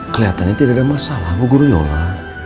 kelihatannya tidak ada masalah gue guru yola